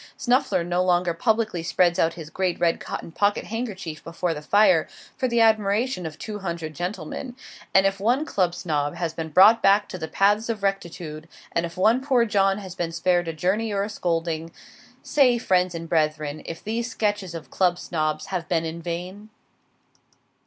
Snuffler no longer publicly spreads out his great red cotton pocket handkerchief before the fire, for the admiration of two hundred gentlemen; and if one Club Snob has been brought back to the paths of rectitude, and if one poor John has been spared a journey or a scolding say, friends and brethren if these sketches of Club Snobs have been in vain?